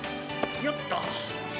よっと。